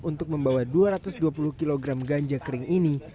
untuk membawa dua ratus dua puluh kg ganja kering ini